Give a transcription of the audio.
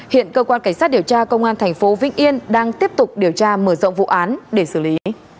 hiện cơ quan cảnh sát điều tra công an thành phố vĩnh yên đang tiếp tục điều tra mở rộng vụ án để xử lý